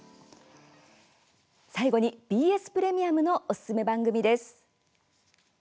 最後に、ＢＳプレミアムのおすすめ番組です。